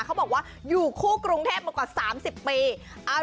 เขาบอกว่าอยู่คู่กรุงเทพมากว่า๓๐ปี